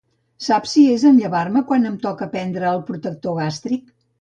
Saps si és en llevar-me quan em toca prendre el protector gàstric?